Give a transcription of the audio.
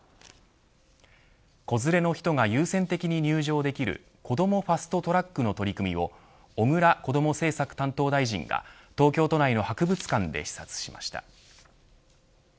子連れの人が優先的に入場できるこどもファスト・トラックの取り組みを小倉こども政策担当大臣が東京都内の博物館で視察しました。